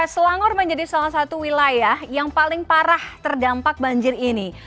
selangor menjadi salah satu wilayah yang paling parah terdampak banjir ini